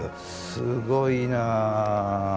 すごいなあ。